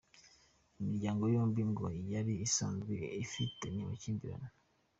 Imiryango yombi ngo yari isanzwe ifitanye amakimbirane.